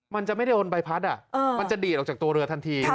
มันจะไม่ได้โดนใบพัดมันจะดีดออกจากตัวเรือทันที